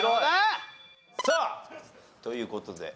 さあという事で。